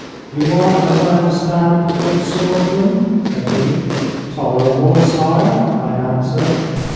'You are, as I understand, a good swordsman?' said he. 'Tolerable, sire,' I answered.